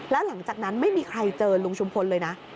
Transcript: แล้วหลังจากนั้นไม่มีใครเจอลุงชุมพลเลยนะ